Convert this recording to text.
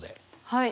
はい。